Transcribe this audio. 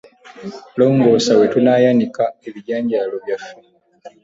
Longoosa we tunaayanika ebijanjaalo byaffe.